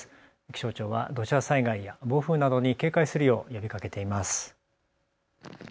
気象庁は土砂災害や暴風などに警戒するよう呼びかけています。